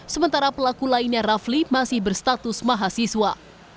sementara pelaku lainnya rafli masih berstatus mahasiswa